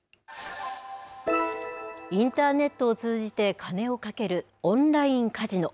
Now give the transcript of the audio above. インターネットを通じて金を賭けるオンラインカジノ。